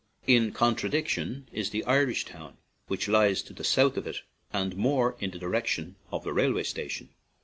In contradistinction is the Irish Town, which lies to the south of it and more in the direction of the railway sta tion.